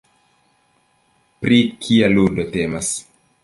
Pri kia ludo temas?